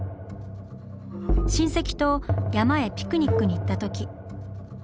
親戚と山へピクニックに行ったとき。